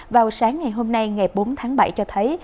vào sáng ngày hôm nay ngày bốn tháng bảy cho thấy